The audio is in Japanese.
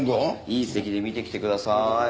いい席で見てきてください。